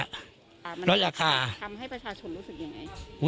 ทำให้ประชาชนรู้สึกยังไง